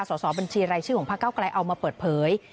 สอบบัญชีรายชื่อของพระเก้าไกลเอามาเปิดเผย